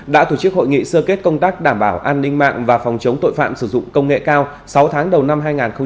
đã tổ chức hội nghị sơ kết công tác đảm bảo an ninh mạng và phòng chống tội phạm sử dụng công nghệ cao sáu tháng đầu năm hai nghìn hai mươi